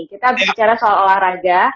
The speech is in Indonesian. kita bicara soal olahraga